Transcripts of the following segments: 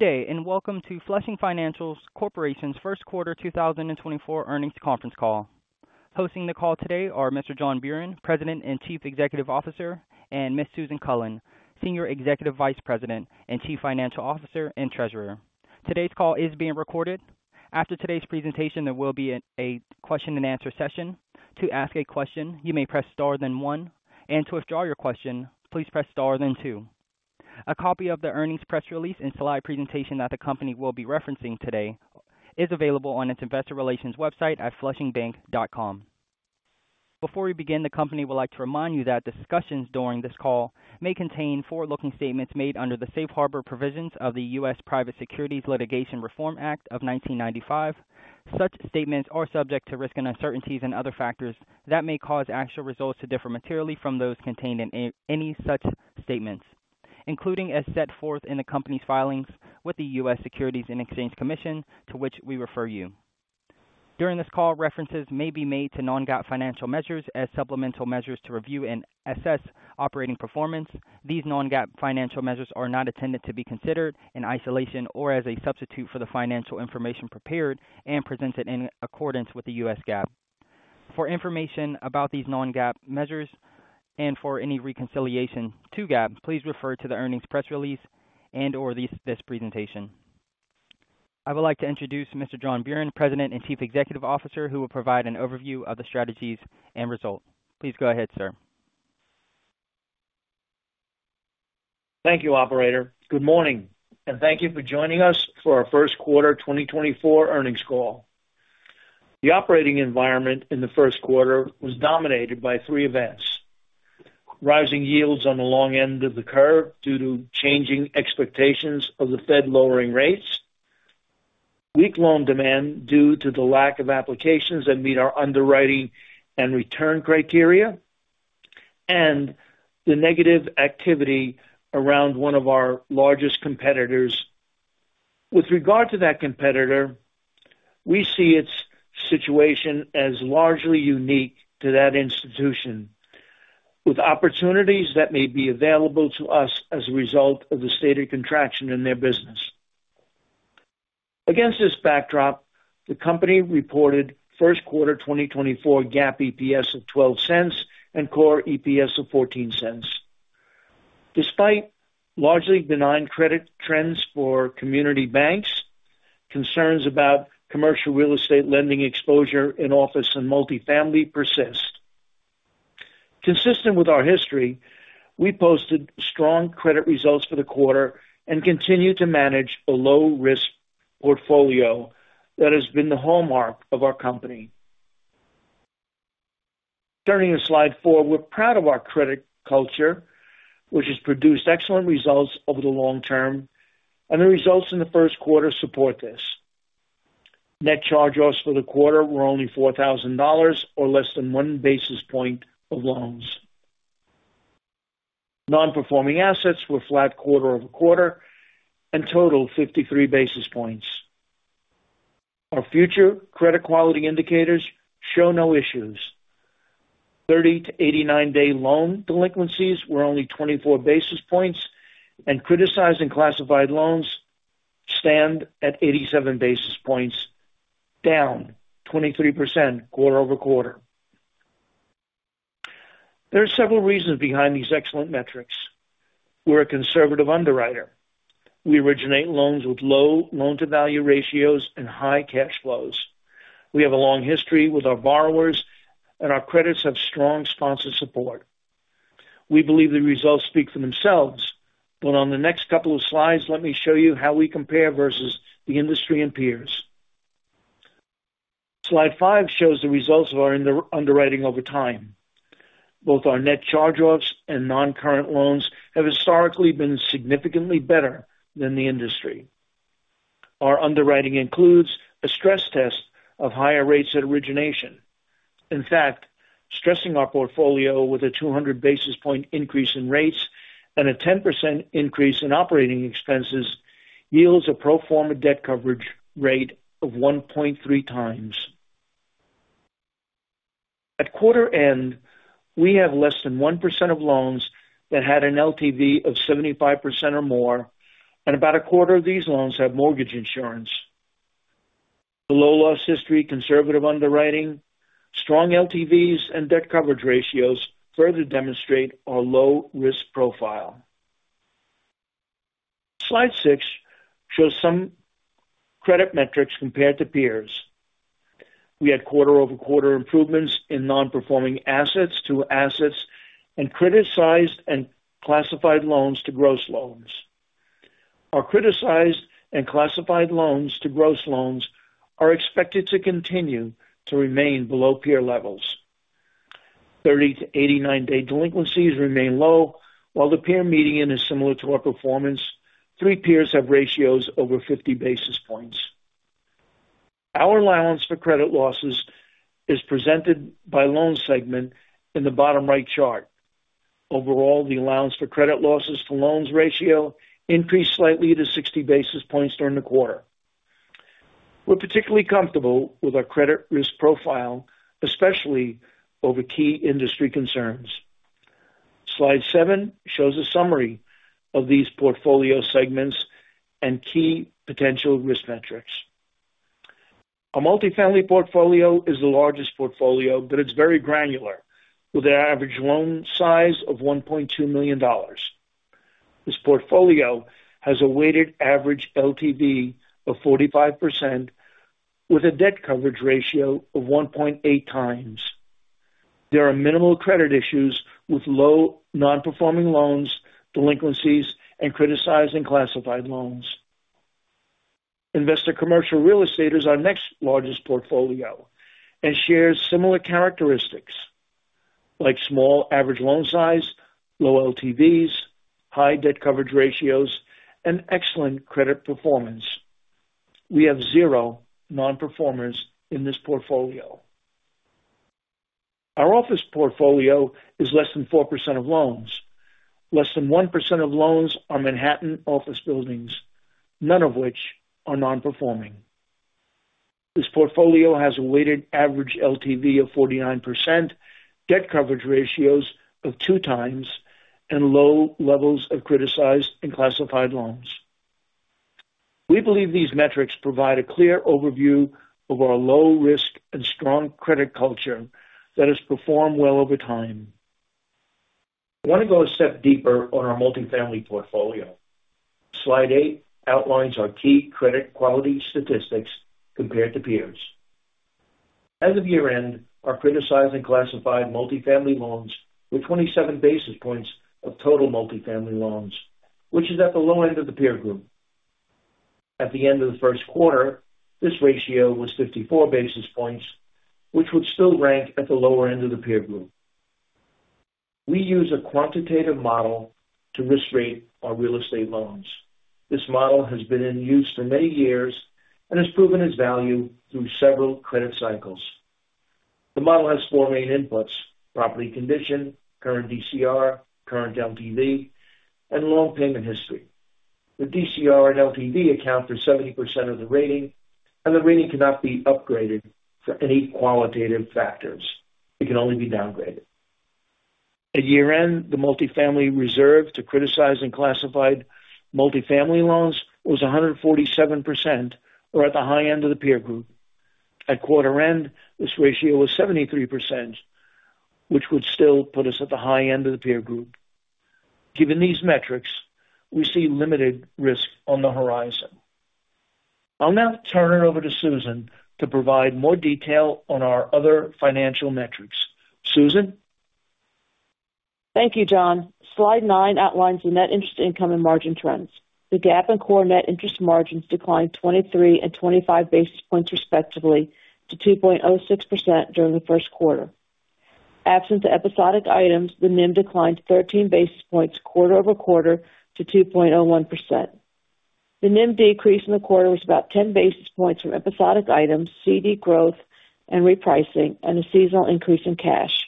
Good day, and welcome to Flushing Financial Corporation's First Quarter 2024 Earnings Conference Call. Hosting the call today are Mr. John Buran, President and Chief Executive Officer, and Ms. Susan Cullen, Senior Executive Vice President and Chief Financial Officer and Treasurer. Today's call is being recorded. After today's presentation, there will be a question and answer session. To ask a question, you may press star then one, and to withdraw your question, please press star then two. A copy of the earnings press release and slide presentation that the company will be referencing today is available on its investor relations website at flushingbank.com. Before we begin, the company would like to remind you that discussions during this call may contain forward-looking statements made under the safe harbor provisions of the U.S. Private Securities Litigation Reform Act of 1995. Such statements are subject to risks and uncertainties and other factors that may cause actual results to differ materially from those contained in any such statements, including as set forth in the company's filings with the U.S. Securities and Exchange Commission, to which we refer you. During this call, references may be made to non-GAAP financial measures as supplemental measures to review and assess operating performance. These non-GAAP financial measures are not intended to be considered in isolation or as a substitute for the financial information prepared and presented in accordance with U.S. GAAP. For information about these non-GAAP measures and for any reconciliation to GAAP, please refer to the earnings press release and or this presentation. I would like to introduce Mr. John Buran, President and Chief Executive Officer, who will provide an overview of the strategies and results. Please go ahead, sir. Thank you, operator. Good morning, and thank you for joining us for our first quarter 2024 earnings call. The operating environment in the first quarter was dominated by three events: rising yields on the long end of the curve due to changing expectations of the Fed lowering rates, weak loan demand due to the lack of applications that meet our underwriting and return criteria, and the negative activity around one of our largest competitors. With regard to that competitor, we see its situation as largely unique to that institution, with opportunities that may be available to us as a result of the stated contraction in their business. Against this backdrop, the company reported first quarter 2024 GAAP EPS of $0.12 and core EPS of $0.14. Despite largely benign credit trends for community banks, concerns about commercial real estate lending exposure in office and multifamily persist. Consistent with our history, we posted strong credit results for the quarter and continue to manage a low-risk portfolio that has been the hallmark of our company. Turning to slide four, we're proud of our credit culture, which has produced excellent results over the long term, and the results in the first quarter support this. Net charge-offs for the quarter were only $4,000 or less than one basis point of loans. Non-performing assets were flat quarter-over-quarter and totaled 53 basis points. Our future credit quality indicators show no issues. 30- to 89-day loan delinquencies were only 24 basis points, and criticized and classified loans stand at 87 basis points, down 23% quarter-over-quarter. There are several reasons behind these excellent metrics. We're a conservative underwriter. We originate loans with low loan-to-value ratios and high cash flows. We have a long history with our borrowers, and our credits have strong sponsor support. We believe the results speak for themselves, but on the next couple of slides, let me show you how we compare versus the industry and peers. Slide 5 shows the results of our underwriting over time. Both our net charge-offs and non-current loans have historically been significantly better than the industry. Our underwriting includes a stress test of higher rates at origination. In fact, stressing our portfolio with a 200 basis point increase in rates and a 10% increase in operating expenses yields a pro forma debt coverage rate of 1.3x. At quarter end, we have less than 1% of loans that had an LTV of 75% or more, and about a quarter of these loans have mortgage insurance. The low loss history, conservative underwriting, strong LTVs and debt coverage ratios further demonstrate our low risk profile. Slide six shows some credit metrics compared to peers. We had quarter-over-quarter improvements in non-performing assets to assets and criticized and classified loans to gross loans. Our criticized and classified loans to gross loans are expected to continue to remain below peer levels. 30- to 89-day delinquencies remain low, while the peer median is similar to our performance. Three peers have ratios over 50 basis points. Our allowance for credit losses is presented by loan segment in the bottom right chart. Overall, the allowance for credit losses to loans ratio increased slightly to 60 basis points during the quarter....We're particularly comfortable with our credit risk profile, especially over key industry concerns. Slide 7 shows a summary of these portfolio segments and key potential risk metrics. Our multifamily portfolio is the largest portfolio, but it's very granular, with an average loan size of $1.2 million. This portfolio has a weighted average LTV of 45%, with a debt coverage ratio of 1.8x. There are minimal credit issues with low non-performing loans, delinquencies, and criticized classified loans. Investor commercial real estate is our next largest portfolio and shares similar characteristics like small average loan size, low LTVs, high debt coverage ratios, and excellent credit performance. We have zero non-performers in this portfolio. Our office portfolio is less than 4% of loans. Less than 1% of loans are Manhattan office buildings, none of which are non-performing. This portfolio has a weighted average LTV of 49%, debt coverage ratios of 2x, and low levels of criticized and classified loans. We believe these metrics provide a clear overview of our low risk and strong credit culture that has performed well over time. I want to go a step deeper on our multifamily portfolio. Slide eight outlines our key credit quality statistics compared to peers. As of year-end, our criticized and classified multifamily loans were 27 basis points of total multifamily loans, which is at the low end of the peer group. At the end of the first quarter, this ratio was 54 basis points, which would still rank at the lower end of the peer group. We use a quantitative model to risk rate our real estate loans. This model has been in use for many years and has proven its value through several credit cycles. The model has four main inputs: property condition, current DCR, current LTV, and loan payment history. The DCR and LTV account for 70% of the rating, and the rating cannot be upgraded for any qualitative factors. It can only be downgraded. At year-end, the multifamily reserve to criticized and classified multifamily loans was 147% or at the high end of the peer group. At quarter end, this ratio was 73%, which would still put us at the high end of the peer group. Given these metrics, we see limited risk on the horizon. I'll now turn it over to Susan to provide more detail on our other financial metrics. Susan? Thank you, John. Slide nine outlines the net interest income and margin trends. The GAAP in core net interest margins declined 23 and 25 basis points, respectively, to 2.06% during the first quarter. Absent the episodic items, the NIM declined 13 basis points quarter-over-quarter to 2.01%. The NIM decrease in the quarter was about 10 basis points from episodic items, CD growth and repricing, and a seasonal increase in cash.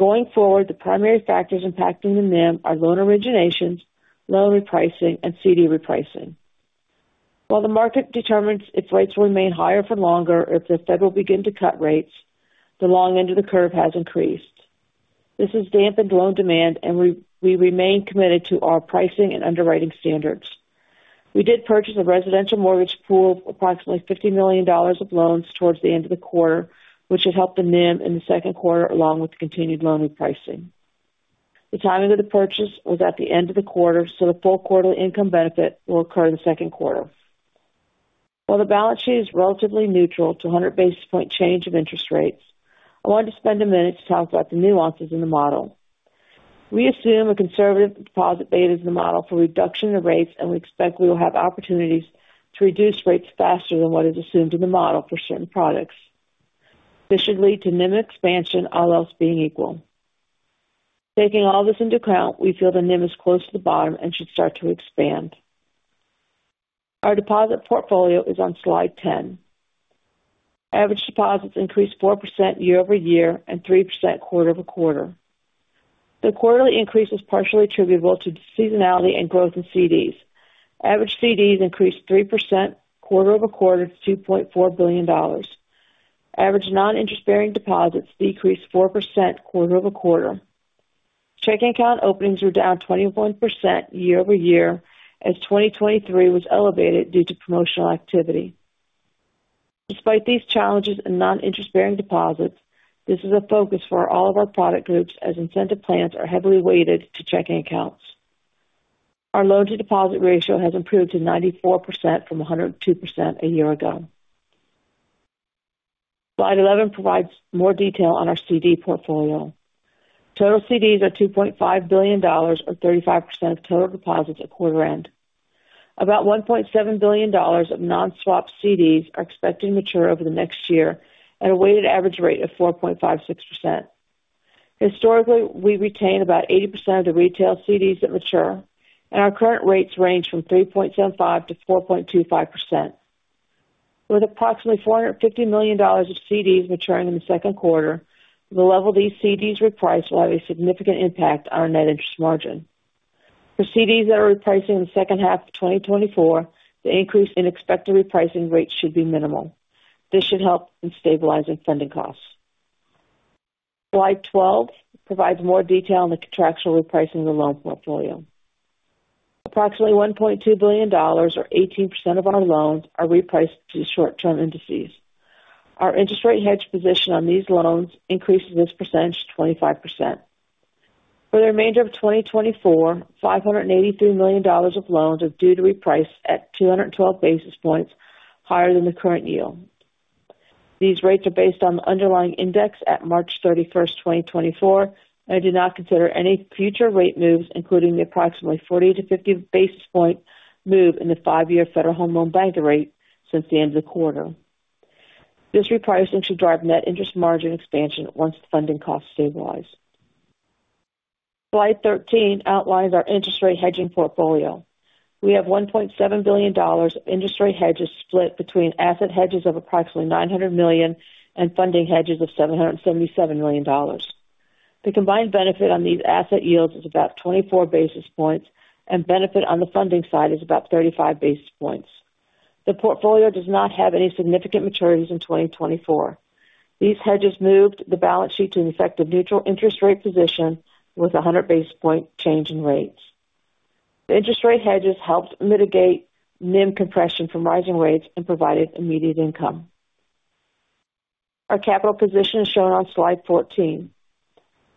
Going forward, the primary factors impacting the NIM are loan originations, loan repricing, and CD repricing. While the market determines if rates will remain higher for longer or if the Fed will begin to cut rates, the long end of the curve has increased. This has dampened loan demand and we remain committed to our pricing and underwriting standards. We did purchase a residential mortgage pool of approximately $50 million of loans towards the end of the quarter, which should help the NIM in the second quarter, along with the continued loan repricing. The timing of the purchase was at the end of the quarter, so the full quarterly income benefit will occur in the second quarter. While the balance sheet is relatively neutral to a 100 basis point change of interest rates, I wanted to spend a minute to talk about the nuances in the model. We assume a conservative deposit beta is the model for reduction in the rates, and we expect we will have opportunities to reduce rates faster than what is assumed in the model for certain products. This should lead to NIM expansion, all else being equal. Taking all this into account, we feel the NIM is close to the bottom and should start to expand. Our deposit portfolio is on slide 10. Average deposits increased 4% year-over-year and 3% quarter-over-quarter. The quarterly increase was partially attributable to seasonality and growth in CDs. Average CDs increased 3% quarter-over-quarter to $2.4 billion. Average non-interest-bearing deposits decreased 4% quarter-over-quarter. Checking account openings were down 21% year-over-year, as 2023 was elevated due to promotional activity. Despite these challenges in non-interest-bearing deposits, this is a focus for all of our product groups as incentive plans are heavily weighted to checking accounts. Our loan to deposit ratio has improved to 94% from 102% a year ago. Slide 11 provides more detail on our CD portfolio. Total CDs are $2.5 billion or 35% of total deposits at quarter end. About $1.7 billion of non-swap CDs are expected to mature over the next year at a weighted average rate of 4.56%. Historically, we retain about 80% of the retail CDs that mature, and our current rates range from 3.75%-4.25%. With approximately $450 million of CDs maturing in the second quarter, the level these CDs reprice will have a significant impact on net interest margin. For CDs that are repricing in the second half of 2024, the increase in expected repricing rates should be minimal. This should help in stabilizing funding costs. Slide 12 provides more detail on the contractual repricing of the loan portfolio. Approximately $1.2 billion or 18% of our loans are repriced to short term indices. Our interest rate hedge position on these loans increases this percentage to 25%. For the remainder of 2024, $583 million of loans are due to reprice at 212 basis points higher than the current yield. These rates are based on the underlying index at March 31st, 2024, and do not consider any future rate moves, including the approximately 40-50 basis point move in the five-year Federal Home Loan Bank rate since the end of the quarter. This repricing should drive net interest margin expansion once the funding costs stabilize. Slide 13 outlines our interest rate hedging portfolio. We have $1.7 billion of interest rate hedges split between asset hedges of approximately $900 million and funding hedges of $777 million. The combined benefit on these asset yields is about 24 basis points, and benefit on the funding side is about 35 basis points. The portfolio does not have any significant maturities in 2024. These hedges moved the balance sheet to an effective neutral interest rate position with 100 basis point change in rates. The interest rate hedges helped mitigate NIM compression from rising rates and provided immediate income. Our capital position is shown on slide 14.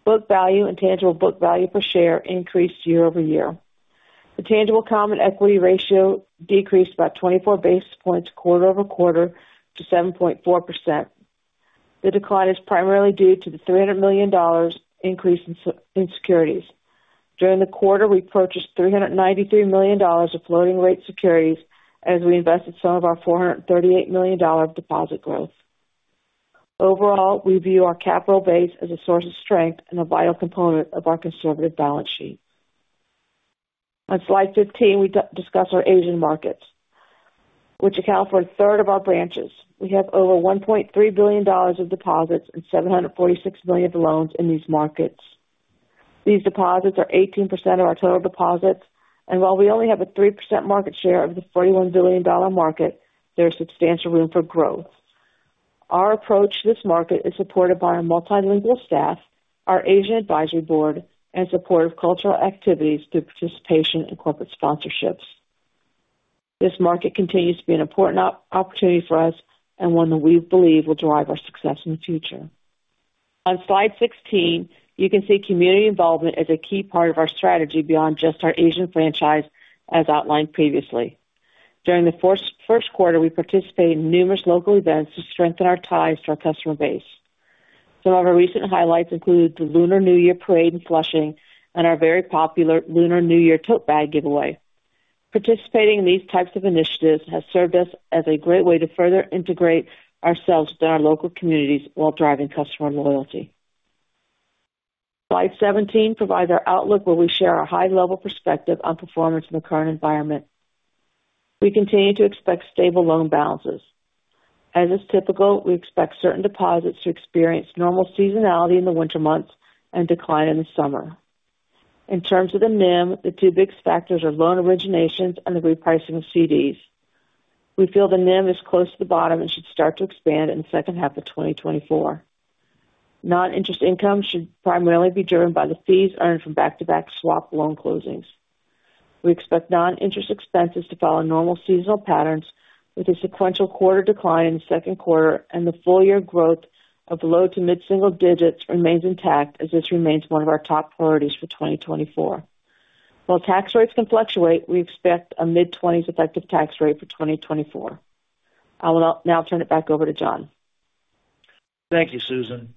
Book value and tangible book value per share increased year-over-year. The tangible common equity ratio decreased by 24 basis points quarter-over-quarter to 7.4%. The decline is primarily due to the $300 million increase in securities. During the quarter, we purchased $393 million of floating rate securities as we invested some of our $438 million of deposit growth. Overall, we view our capital base as a source of strength and a vital component of our conservative balance sheet. On slide 15, we discuss our Asian markets, which account for a third of our branches. We have over $1.3 billion of deposits and $746 million of loans in these markets. These deposits are 18% of our total deposits, and while we only have a 3% market share of the $41 billion market, there is substantial room for growth. Our approach to this market is supported by our multilingual staff, our Asian Advisory Board, and support of cultural activities through participation in corporate sponsorships. This market continues to be an important opportunity for us and one that we believe will drive our success in the future. On slide 16, you can see community involvement as a key part of our strategy beyond just our Asian franchise, as outlined previously. During the first quarter, we participated in numerous local events to strengthen our ties to our customer base. Some of our recent highlights include the Lunar New Year parade in Flushing and our very popular Lunar New Year tote bag giveaway. Participating in these types of initiatives has served us as a great way to further integrate ourselves into our local communities while driving customer loyalty. Slide 17 provides our outlook, where we share our high level perspective on performance in the current environment. We continue to expect stable loan balances. As is typical, we expect certain deposits to experience normal seasonality in the winter months and decline in the summer. In terms of the NIM, the two biggest factors are loan originations and the repricing of CDs. We feel the NIM is close to the bottom and should start to expand in the second half of 2024. Non-interest income should primarily be driven by the fees earned from back-to-back swap loan closings. We expect non-interest expenses to follow normal seasonal patterns, with a sequential quarter decline in the second quarter and the full year growth of low to mid single digits remains intact as this remains one of our top priorities for 2024. While tax rates can fluctuate, we expect a mid-20s effective tax rate for 2024. I will now turn it back over to John. Thank you, Susan.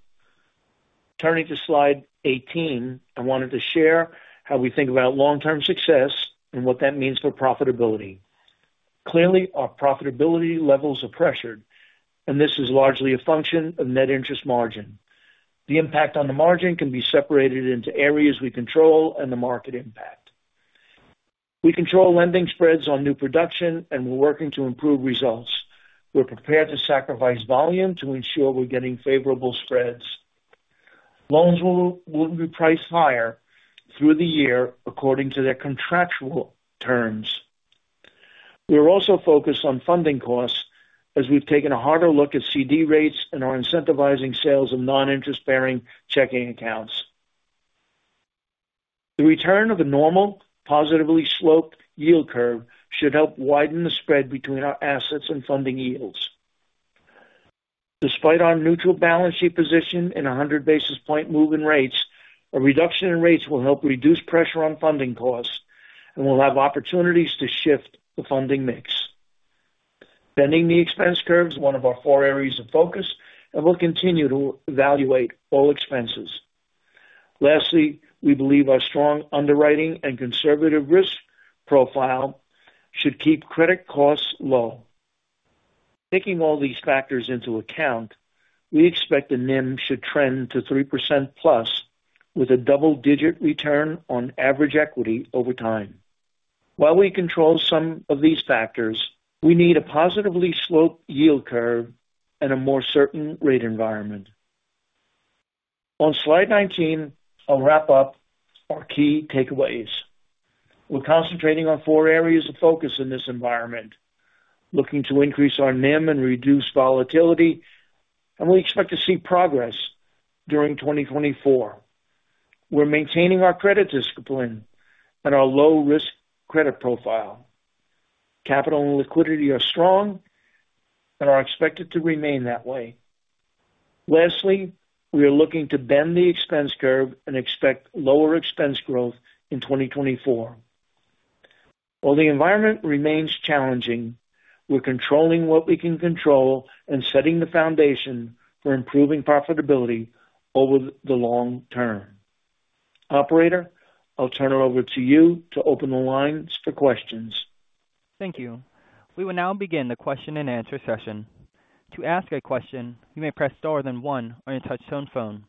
Turning to slide 18, I wanted to share how we think about long-term success and what that means for profitability. Clearly, our profitability levels are pressured, and this is largely a function of net interest margin. The impact on the margin can be separated into areas we control and the market impact. We control lending spreads on new production, and we're working to improve results. We're prepared to sacrifice volume to ensure we're getting favorable spreads. Loans will be priced higher through the year according to their contractual terms. We are also focused on funding costs as we've taken a harder look at CD rates and are incentivizing sales of non-interest-bearing checking accounts. The return of a normal, positively sloped yield curve should help widen the spread between our assets and funding yields. Despite our neutral balance sheet position and 100 basis point move in rates, a reduction in rates will help reduce pressure on funding costs and will have opportunities to shift the funding mix. Bending the expense curve is one of our four areas of focus, and we'll continue to evaluate all expenses. Lastly, we believe our strong underwriting and conservative risk profile should keep credit costs low. Taking all these factors into account, we expect the NIM should trend to 3%+, with a double-digit return on average equity over time. While we control some of these factors, we need a positively sloped yield curve and a more certain rate environment.... On slide 19, I'll wrap up our key takeaways. We're concentrating on four areas of focus in this environment, looking to increase our NIM and reduce volatility, and we expect to see progress during 2024. We're maintaining our credit discipline and our low risk credit profile. Capital and liquidity are strong and are expected to remain that way. Lastly, we are looking to bend the expense curve and expect lower expense growth in 2024. While the environment remains challenging, we're controlling what we can control and setting the foundation for improving profitability over the long term. Operator, I'll turn it over to you to open the lines for questions. Thank you. We will now begin the question and answer session. To ask a question, you may press star then one on your touchtone phone.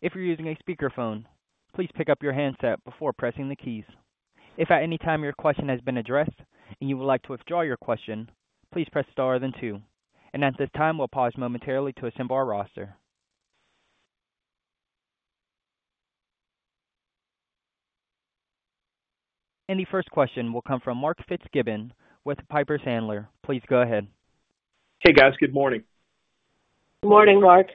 If you're using a speakerphone, please pick up your handset before pressing the keys. If at any time your question has been addressed and you would like to withdraw your question, please press star then two. At this time, we'll pause momentarily to assemble our roster. The first question will come from Mark Fitzgibbon with Piper Sandler. Please go ahead. Hey, guys. Good morning. Good morning, Mark.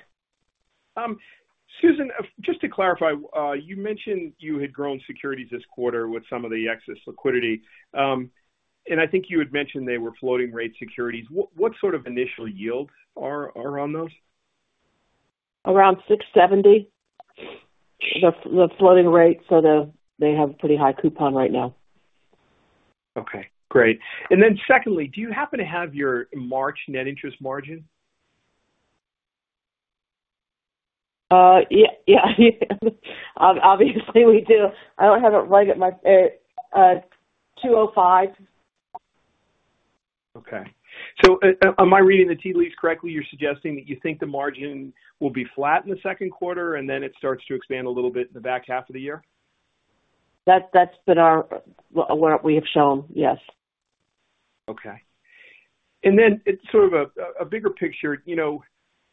Susan, just to clarify, you mentioned you had grown securities this quarter with some of the excess liquidity. I think you had mentioned they were floating rate securities. What sort of initial yields are on those? Around 670. The floating rate, they have pretty high coupon right now. Okay, great. And then secondly, do you happen to have your March net interest margin? Yeah, yeah. Obviously, we do. I don't have it right at my 205. Okay. So, am I reading the tea leaves correctly? You're suggesting that you think the margin will be flat in the second quarter, and then it starts to expand a little bit in the back half of the year? That, that's been our, what we have shown, yes. Okay. And then sort of a bigger picture, you know,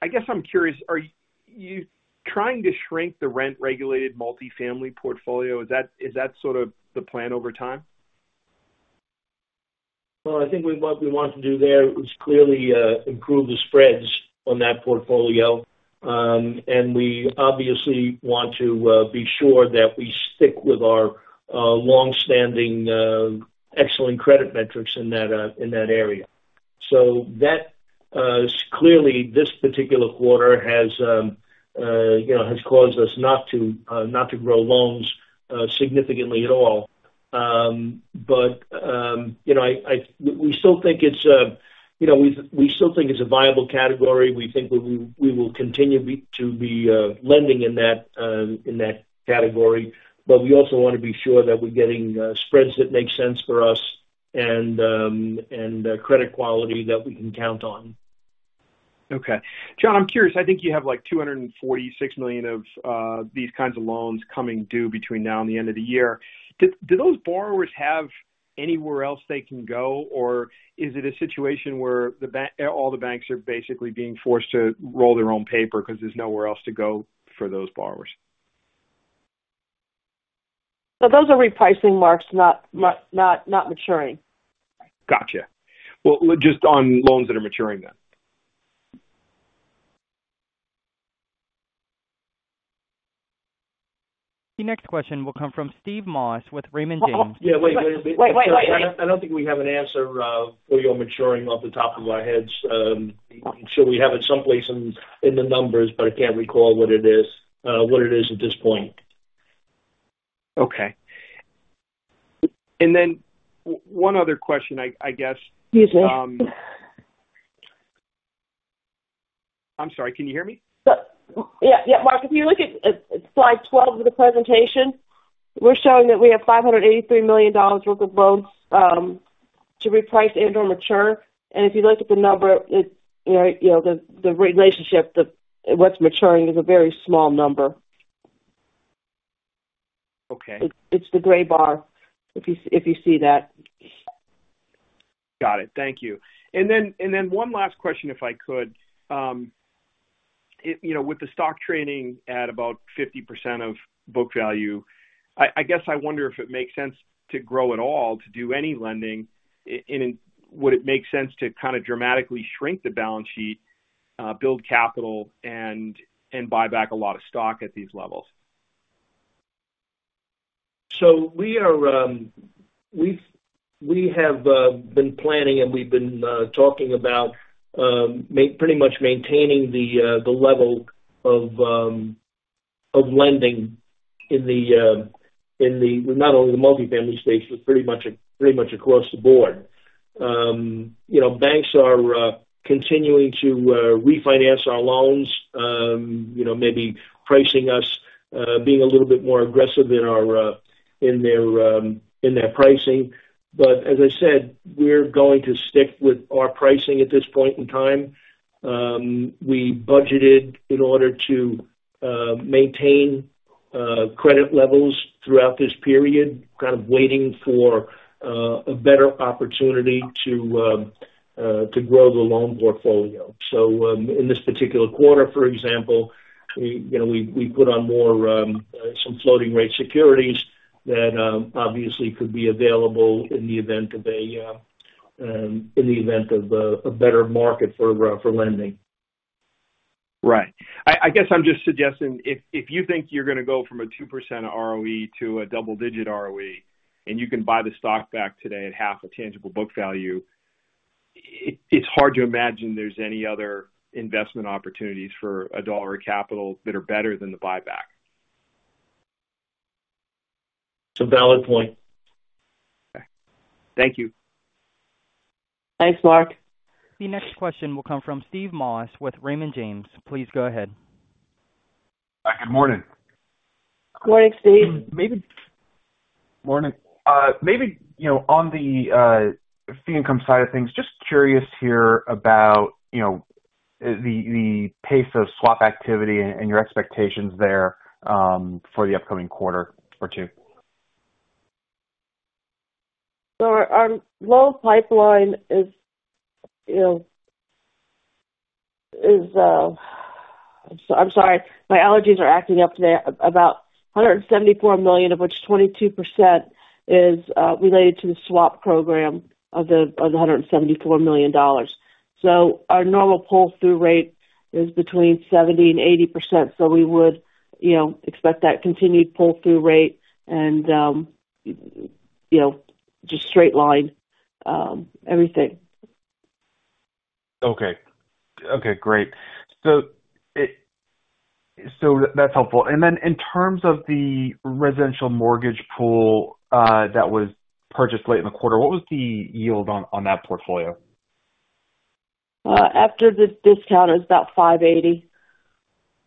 I guess I'm curious, are you trying to shrink the rent-regulated multifamily portfolio? Is that sort of the plan over time? Well, I think what we want to do there is clearly improve the spreads on that portfolio. And we obviously want to be sure that we stick with our long-standing excellent credit metrics in that area. So that clearly this particular quarter has, you know, caused us not to grow loans significantly at all. But you know, I—we still think it's a, you know, viable category. We think we will continue to be lending in that category. But we also want to be sure that we're getting spreads that make sense for us and credit quality that we can count on. Okay. John, I'm curious. I think you have, like, $246 million of these kinds of loans coming due between now and the end of the year. Do those borrowers have anywhere else they can go? Or is it a situation where the banks are basically being forced to roll their own paper because there's nowhere else to go for those borrowers? So those are repricing marks, not maturing. Gotcha. Well, just on loans that are maturing then. The next question will come from Steve Moss with Raymond James. Yeah. Wait, wait, wait, wait. Wait, wait, wait. I don't think we have an answer for your maturing off the top of our heads. I'm sure we have it someplace in the numbers, but I can't recall what it is at this point. Okay. And then one other question, I guess- Usually. I'm sorry. Can you hear me? Yeah. Yeah, Mark, if you look at slide 12 of the presentation, we're showing that we have $583 million worth of loans to reprice and/or mature. And if you look at the number, it, you know, the relationship, the, what's maturing is a very small number. Okay. It's the gray bar, if you see that. Got it. Thank you. And then one last question, if I could. You know, with the stock trading at about 50% of book value, I guess I wonder if it makes sense to grow at all, to do any lending in... Would it make sense to kind of dramatically shrink the balance sheet, build capital and buy back a lot of stock at these levels? So we are, we've been planning and we've been talking about pretty much maintaining the level of lending in the not only the multifamily space, but pretty much across the board. You know, banks are continuing to refinance our loans, you know, maybe pricing us being a little bit more aggressive in their pricing. But as I said, we're going to stick with our pricing at this point in time. We budgeted in order to maintain credit levels throughout this period, kind of waiting for a better opportunity to grow the loan portfolio. So, in this particular quarter, for example, you know, we put on more some floating rate securities that obviously could be available in the event of a better market for lending. Right. I guess I'm just suggesting if you think you're gonna go from a 2% ROE to a double-digit ROE, and you can buy the stock back today at half a tangible book value, it's hard to imagine there's any other investment opportunities for $1 of capital that are better than the buyback. It's a valid point. Okay. Thank you. Thanks, Mark. The next question will come from Steve Moss with Raymond James. Please go ahead. Hi, good morning. Good morning, Steve. Morning. Maybe, you know, on the fee income side of things, just curious here about, you know, the pace of swap activity and your expectations there, for the upcoming quarter or two? So our loan pipeline is, you know, is. I'm sorry, my allergies are acting up today. About $174 million, of which 22% is related to the swap program of the $174 million. So our normal pull-through rate is between 70% and 80%, so we would, you know, expect that continued pull-through rate and, you know, just straight line everything. Okay. Okay, great. So that's helpful. And then in terms of the residential mortgage pool that was purchased late in the quarter, what was the yield on that portfolio? After the discount, it's about 5.80%.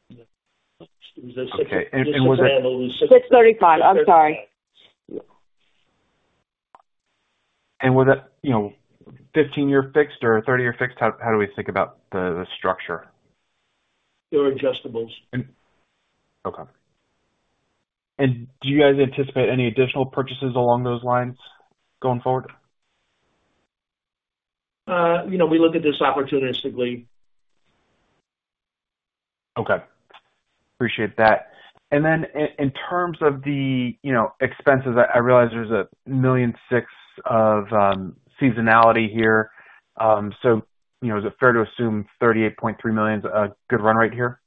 Yeah. Okay. And was it- 6.35% I'm sorry. Was that, you know, 15-year fixed or 30-year fixed? How do we think about the structure? They're adjustables. Do you guys anticipate any additional purchases along those lines going forward? You know, we look at this opportunistically. Okay, appreciate that. And then in terms of the, you know, expenses, I realize there's $1.6 million of seasonality here. So, you know, is it fair to assume $38.3 million's a good run rate here?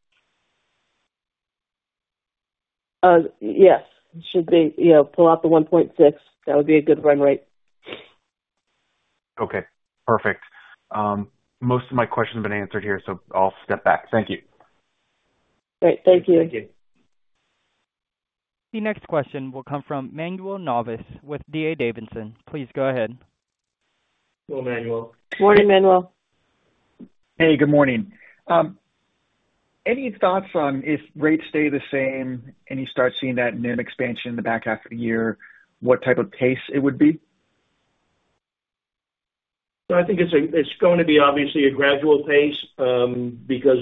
Yes. It should be. You know, pull out the $1.6 million, that would be a good run rate. Okay, perfect. Most of my questions have been answered here, so I'll step back. Thank you. Great. Thank you. Thank you. The next question will come from Manuel Navas with D.A. Davidson. Please go ahead. Hello, Manuel. Morning, Manuel. Hey, good morning. Any thoughts on if rates stay the same and you start seeing that NIM expansion in the back half of the year, what type of pace it would be? So I think it's going to be obviously a gradual pace, because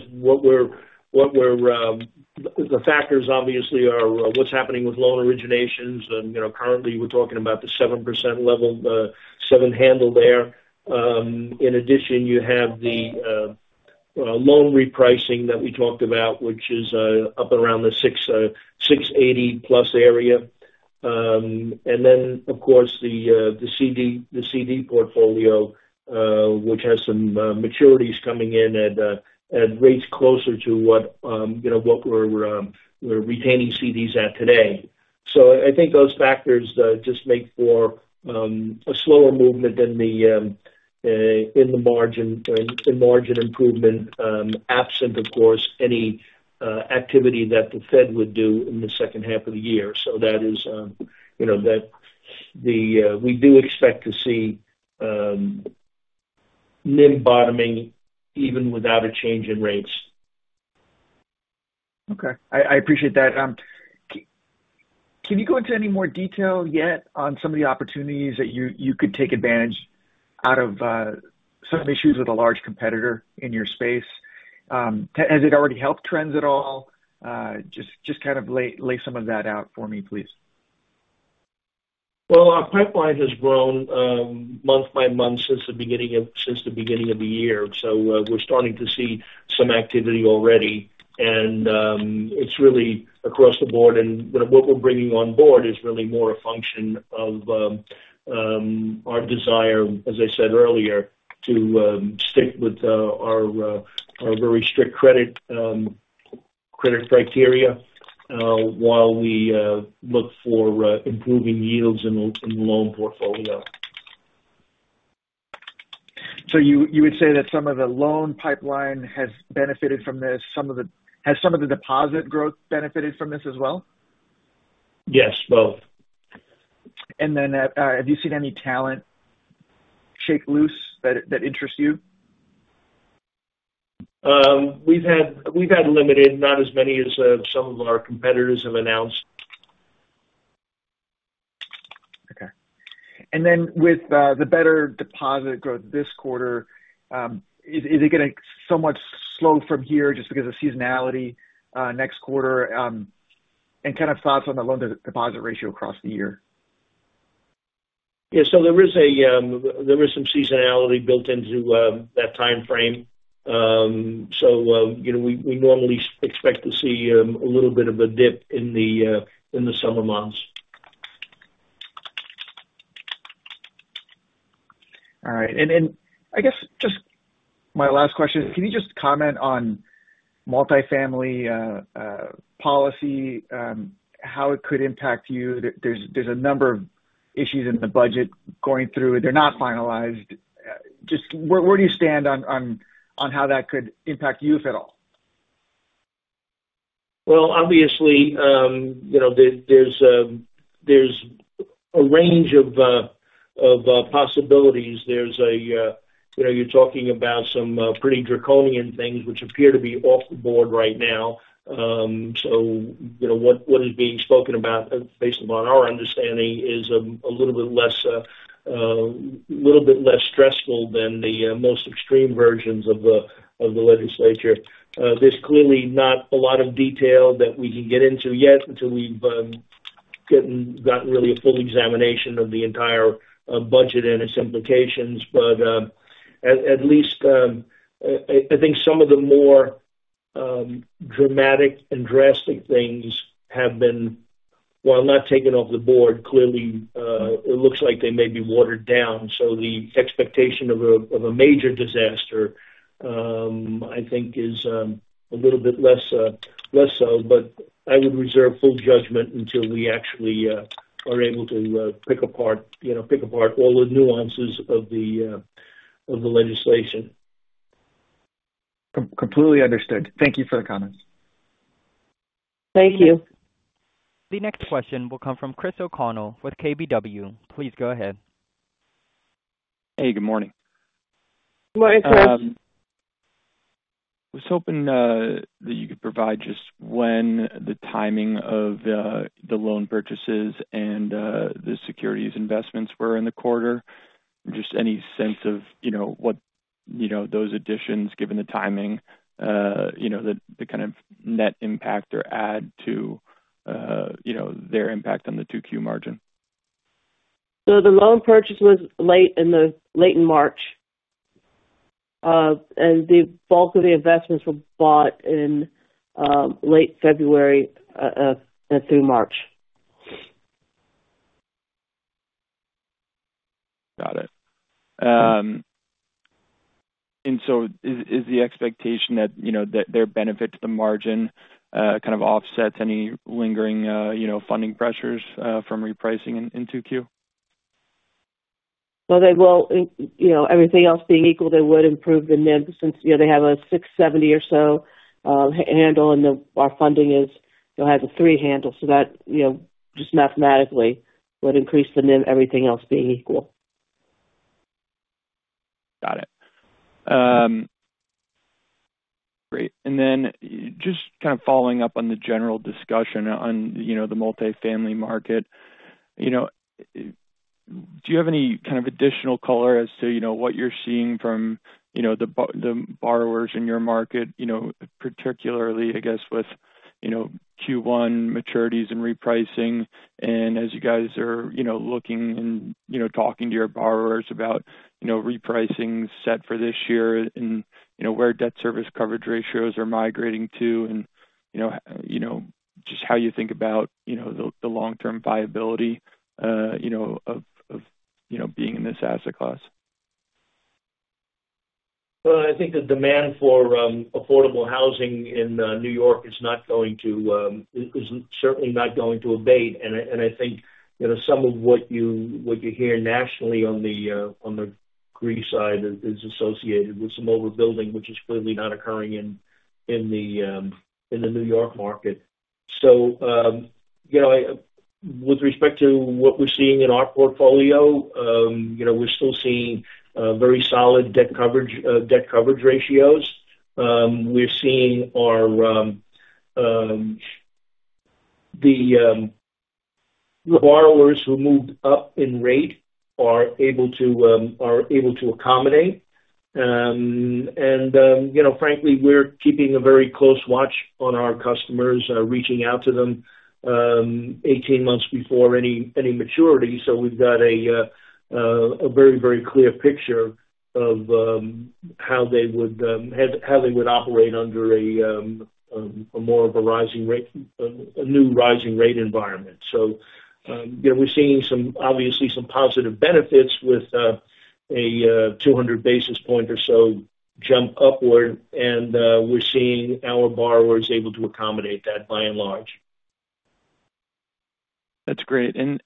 the factors obviously are what's happening with loan originations, and you know, currently we're talking about the 7% level, seven handle there. In addition, you have the loan repricing that we talked about, which is up around the 6.80+ area. And then, of course, the CD portfolio, which has some maturities coming in at rates closer to what you know what we're retaining CDs at today. So I think those factors just make for a slower movement than in margin improvement, absent, of course, any activity that the Fed would do in the second half of the year. So that is, you know, we do expect to see NIM bottoming even without a change in rates. Okay. I appreciate that. Can you go into any more detail yet on some of the opportunities that you could take advantage out of some issues with a large competitor in your space? Has it already helped trends at all? Just kind of lay some of that out for me, please. Well, our pipeline has grown month by month since the beginning of the year. So, we're starting to see some activity already, and it's really across the board. And what we're bringing on board is really more a function of our desire, as I said earlier, to stick with our very strict credit criteria while we look for improving yields in the loan portfolio. So you would say that some of the loan pipeline has benefited from this, has some of the deposit growth benefited from this as well? Yes, both. And then, have you seen any talent shake loose that interests you? We've had limited, not as many as some of our competitors have announced.... Okay. And then with the better deposit growth this quarter, is it gonna slow so much from here just because of seasonality next quarter? And kind of thoughts on the loan to deposit ratio across the year. Yeah, so there is some seasonality built into that timeframe. So, you know, we normally expect to see a little bit of a dip in the summer months. All right. And then, I guess just my last question is, can you just comment on multifamily policy, how it could impact you? There's a number of issues in the budget going through, they're not finalized. Just where do you stand on how that could impact you, if at all? Well, obviously, you know, there's a range of possibilities. There's you know, you're talking about some pretty draconian things, which appear to be off the board right now. So you know, what is being spoken about, based upon our understanding, is a little bit less stressful than the most extreme versions of the legislature. There's clearly not a lot of detail that we can get into yet until we've gotten really a full examination of the entire budget and its implications. But at least, I think some of the more dramatic and drastic things have been, while not taken off the board, clearly, it looks like they may be watered down. So the expectation of a major disaster, I think is a little bit less, less so, but I would reserve full judgment until we actually are able to pick apart, you know, pick apart all the nuances of the legislation. Completely understood. Thank you for the comments. Thank you. The next question will come from Chris O'Connell with KBW. Please go ahead. Hey, good morning. Good morning, Chris. Was hoping that you could provide just when the timing of the loan purchases and the securities investments were in the quarter. Just any sense of, you know, what, you know, those additions, given the timing, you know, the kind of net impact or add to, you know, their impact on the 2Q margin. So the loan purchase was late in March. And the bulk of the investments were bought in late February and through March. Got it. And so is the expectation that, you know, that their benefit to the margin kind of offsets any lingering, you know, funding pressures from repricing in 2Q? Well, they will, you know, everything else being equal, they would improve the NIM, since, you know, they have a $670 or so handle, and our funding is, you know, has a three handle, so that, you know, just mathematically would increase the NIM, everything else being equal. Got it. Great. And then just kind of following up on the general discussion on, you know, the multifamily market. You know, do you have any kind of additional color as to, you know, what you're seeing from, you know, the borrowers in your market? You know, particularly, I guess, with, you know, Q1 maturities and repricing, and as you guys are, you know, looking and, you know, talking to your borrowers about, you know, repricing set for this year and, you know, where debt service coverage ratios are migrating to, and, you know, just how you think about, you know, the long-term viability, you know, of being in this asset class. Well, I think the demand for affordable housing in New York is certainly not going to abate. And I think, you know, some of what you hear nationally on the CRE side is associated with some overbuilding, which is clearly not occurring in the New York market. So, you know, with respect to what we're seeing in our portfolio, you know, we're still seeing very solid debt coverage ratios. We're seeing the borrowers who moved up in rate are able to accommodate. And, you know, frankly, we're keeping a very close watch on our customers, reaching out to them 18 months before any maturity. So we've got a very, very clear picture of how they would operate under a more of a rising rate, a new rising rate environment. So, you know, we're seeing some, obviously some positive benefits with a 200 basis point or so jump upward, and we're seeing our borrowers able to accommodate that, by and large. That's great. And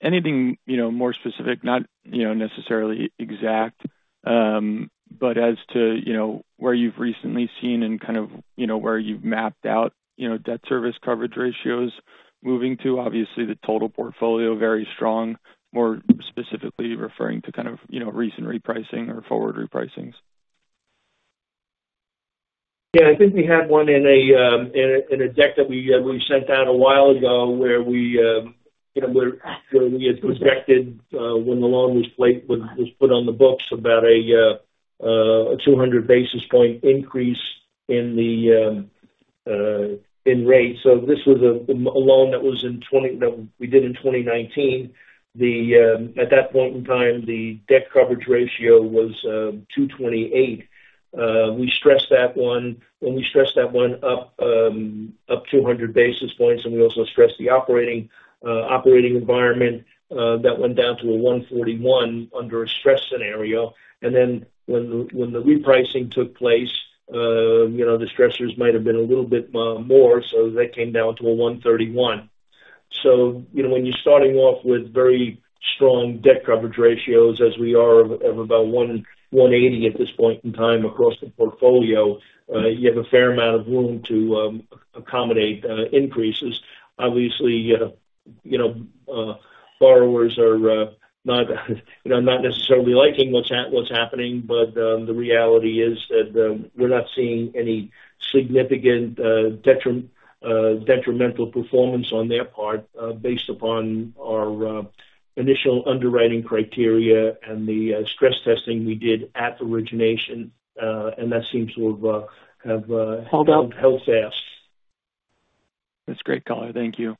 anything, you know, more specific, not, you know, necessarily exact, but as to, you know, where you've recently seen and kind of, you know, where you've mapped out, you know, debt service coverage ratios, moving to, obviously, the total portfolio, very strong. More specifically, referring to kind of, you know, recent repricing or forward repricings?... Yeah, I think we had one in a deck that we sent out a while ago, where we, you know, where we had projected when the loan was placed, was put on the books about a 200 basis point increase in rates. So this was a loan that we did in 2019. At that point in time, the debt coverage ratio was 2.28. We stressed that one up 200 basis points, and we also stressed the operating environment that went down to a 1.41 under a stress scenario. And then when the repricing took place, you know, the stressors might have been a little bit more, so that came down to a 1.31. So, you know, when you're starting off with very strong debt coverage ratios, as we are of about 1.80 at this point in time across the portfolio, you have a fair amount of room to accommodate increases. Obviously, you know, borrowers are not, you know, not necessarily liking what's happening, but the reality is that we're not seeing any significant detriment, detrimental performance on their part based upon our initial underwriting criteria and the stress testing we did at origination. And that seems to have have. Held up. Held fast. That's great, color. Thank you.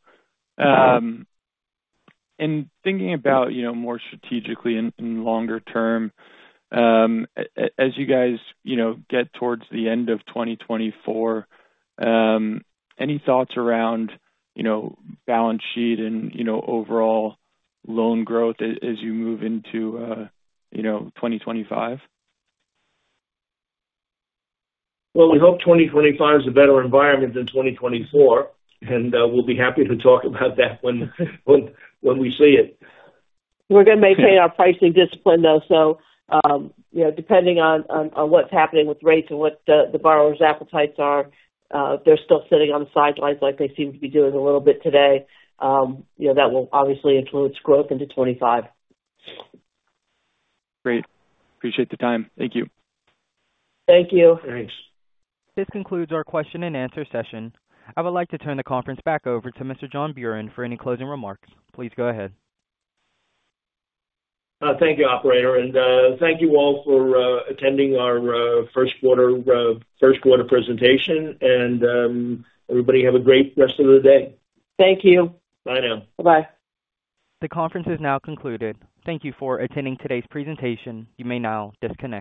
Thinking about, you know, more strategically and longer term, as you guys, you know, get towards the end of 2024, any thoughts around, you know, balance sheet and, you know, overall loan growth as you move into, you know, 2025? Well, we hope 2025 is a better environment than 2024, and we'll be happy to talk about that when we see it. We're gonna maintain our pricing discipline, though, so, you know, depending on what's happening with rates and what the borrowers' appetites are, if they're still sitting on the sidelines like they seem to be doing a little bit today, you know, that will obviously influence growth into 2025. Great. Appreciate the time. Thank you. Thank you. Thanks. This concludes our question and answer session. I would like to turn the conference back over to Mr. John Buran for any closing remarks. Please go ahead. Thank you, operator, and thank you all for attending our first quarter first quarter presentation. Everybody, have a great rest of the day. Thank you. Bye now. Bye-bye. The conference is now concluded. Thank you for attending today's presentation. You may now disconnect.